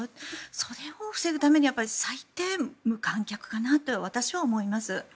それを防ぐためには最低、無観客かなと私は思います。